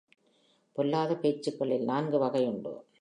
பொல்லாத பேச்சுக்களில் நான்கு வகை உண்டு.